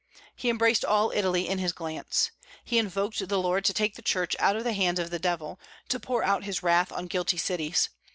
He embraced all Italy in his glance. He invoked the Lord to take the Church out of the hands of the Devil, to pour out his wrath on guilty cities.